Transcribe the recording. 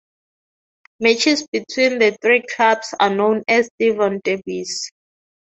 Matches between the three clubs are known as Devon derbies.